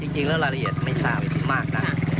จริงแล้วรายละเอียดไม่ทราบมากนัก